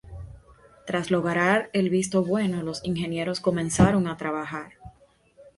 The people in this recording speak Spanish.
Tras lograr el visto bueno los ingenieros comenzaron a trabajar.